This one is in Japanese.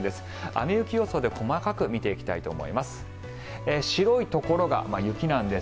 雨・雪予想で細かく見ていきたいと思います。